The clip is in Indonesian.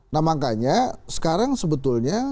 nah makanya sekarang sebetulnya